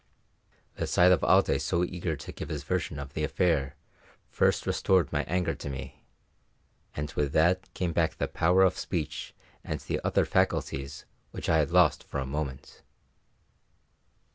The sight of Alday so eager to give his version of the affair first restored my anger to me, and with that came back the power of speech and the other faculties which I had lost for a moment.